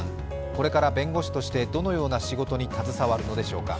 これから弁護士として、どのような仕事に携わるのでしょうか。